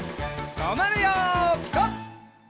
とまるよピタ！